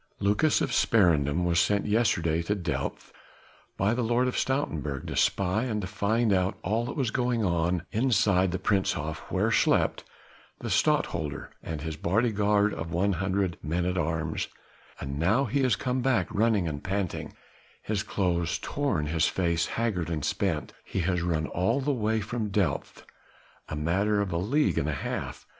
Lucas of Sparendam was sent yesterday to Delft by the Lord of Stoutenburg to spy and to find out all that was going on inside the Prinzenhof where slept the Stadtholder and his bodyguard of one hundred men at arms: and now he has come back running and panting: his clothes torn, his face haggard and spent. He has run all the way from Delft a matter of a league and a half!